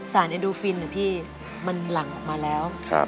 เอ็นดูฟินนะพี่มันหลั่งออกมาแล้ว